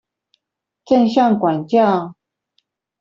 正向管教